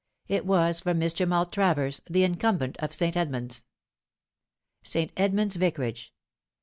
It was from Mr. Maltravers, the Incumbent of St. Edmund's :" St. Edmund's Vicarage.